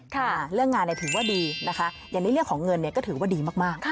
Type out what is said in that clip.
เรื่องงานเนี่ยถือว่าดีนะคะอย่างในเรื่องของเงินเนี่ยก็ถือว่าดีมาก